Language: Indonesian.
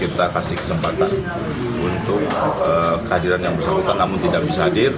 kita kasih kesempatan untuk kehadiran yang bersangkutan namun tidak bisa hadir